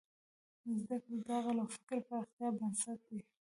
زدهکړه د عقل او فکر پراختیا بنسټ دی.